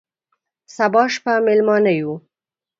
سبا شپه مېلمانه یو،